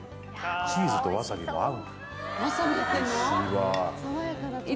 チーズとわさびが合う。